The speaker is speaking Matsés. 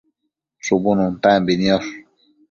shubu nuntambi niosh